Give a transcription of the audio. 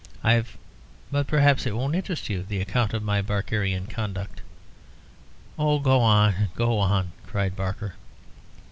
I've ... but perhaps it won't interest you, the account of my Barkerian conduct." "Oh, go on, go on," cried Barker.